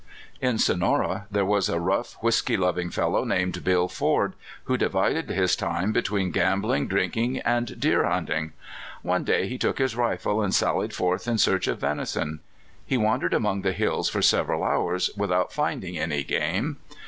In Sonora there was a rough, whisky loving fel low, named Bill F , who divided his time be tween gambling, drinking, and deer hunting. One day he took his rifle and sallied forth in search of venison. He wandered among the hills for several hours without finding any game.